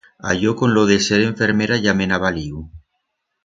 A yo con lo de ser enfermera ya me'n ha valiu.